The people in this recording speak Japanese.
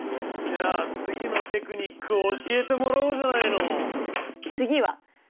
じゃあ次のテクニックを教えてもらおうじゃないの。